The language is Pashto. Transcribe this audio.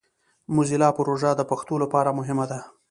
موزیلا پروژه د پښتو لپاره مهمه ده.